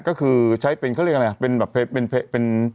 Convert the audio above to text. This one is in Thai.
ก็คือใช้เป็นเขาเรียกอะไรอันแหละ